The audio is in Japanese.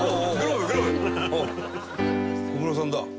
小室さんだ。